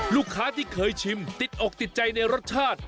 ลูกค้าที่เคยชิมติดอกติดใจในรสชาติ